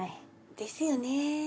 ですよね。